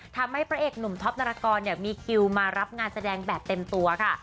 พระเอกหนุ่มท็อปนารกรมีคิวมารับงานแสดงแบบเต็มตัวค่ะ